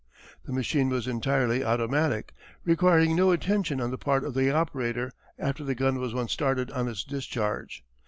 The machine was entirely automatic, requiring no attention on the part of the operator after the gun was once started on its discharge.